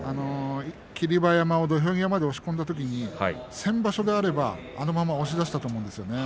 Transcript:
霧馬山を土俵際まで押し込んだときに先場所であれば、あのまま押し出したと思うんですよね。